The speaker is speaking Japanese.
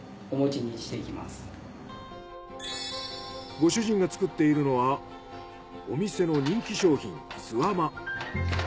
ご主人が作っているのはお店の人気商品すあま。